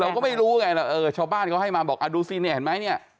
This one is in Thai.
เราก็ไม่รู้ไงเออชาวบ้านเขาให้มาบอกดูสิเนี่ยเห็นไหมเนี่ย